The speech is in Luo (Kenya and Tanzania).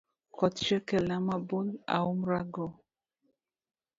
Koth chwe kelna mabul aumrago